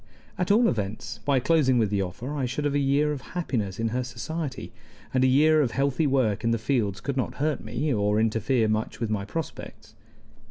At all events, by closing with the offer I should have a year of happiness in her society, and a year of healthy work in the fields could not hurt me, or interfere much with my prospects.